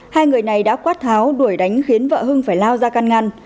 hai người này đã quát tháo đuổi đánh khiến vợ hưng phải lao ra căn ngăn